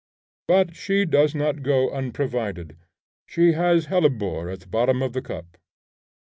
But she does not go unprovided; she has hellebore at the bottom of the cup.